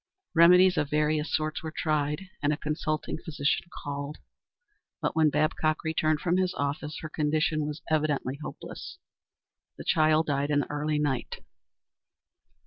Remedies of various sorts were tried, and a consulting physician called, but when Babcock returned from his office her condition was evidently hopeless. The child died in the early night.